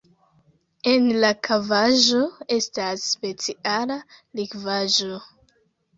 En la kavaĵo estas speciala likvaĵo.